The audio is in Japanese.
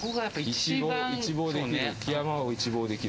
基山を一望できる。